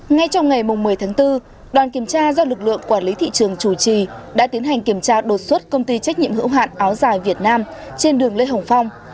ngay trong ngày một mươi tháng bốn đoàn kiểm tra do lực lượng quản lý thị trường chủ trì đã tiến hành kiểm tra đột xuất công ty trách nhiệm hữu hạn áo dài việt nam trên đường lê hồng phong